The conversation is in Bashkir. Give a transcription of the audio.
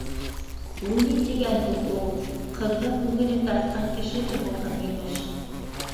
Ул ни тигән һүҙ ул, ҡыҙҙың күңеле тартҡан кешеһе булһын, имеш.